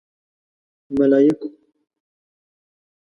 _ملايکو!